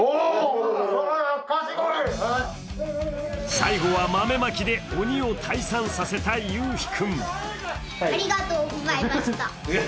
最後は豆まきで鬼を退散させたゆうひ君。